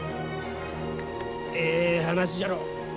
ええ話じゃろう。